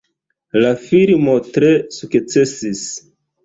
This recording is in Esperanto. La filmo tre sukcesis.